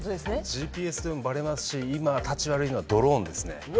ＧＰＳでもバレますし今たち悪いのはドローンですね。